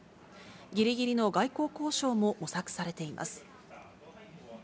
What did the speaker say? ぎりぎりの外交交渉も模索されています。